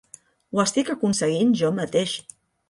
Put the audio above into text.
Ho estic aconseguint jo mateix.